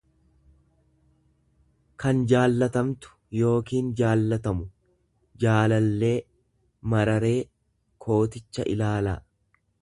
kan jaallatamtu yookiin jaallatamu, jaalallee.mararee kooticha ilaalaa .